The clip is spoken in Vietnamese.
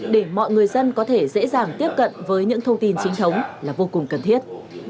để mọi người dân có thể dễ dàng tiếp cận với những thông tin chính thống là vô cùng cần thiết